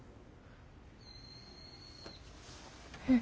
うん。